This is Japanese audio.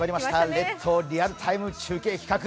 「列島リアルＴＩＭＥ！中継」企画